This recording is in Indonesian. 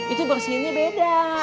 itu bersihinnya beda